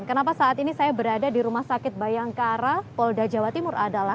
kenapa saat ini saya berada di rumah sakit bayangkara polda jawa timur adalah